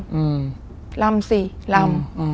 อืมลำสิลำ